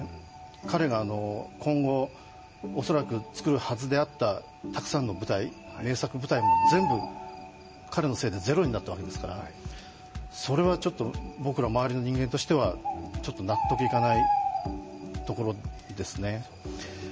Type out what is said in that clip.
彼が今後、恐らく作るはずであったたくさんの舞台名作舞台が全部、彼のせいでゼロになったわけですからそれはちょっと僕ら、周りの人間としては納得いかないところですね。